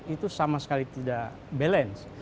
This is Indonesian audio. itu sama sekali tidak balance